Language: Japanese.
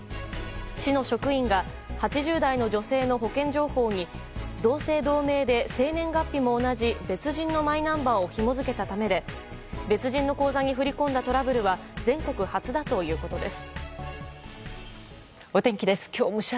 市の職員が８０代の女性の保険情報に同姓同名で生年月日も同じ別人のマイナンバーをひも付けたためで別人の口座に振り込んだトラブルは全国初だということです。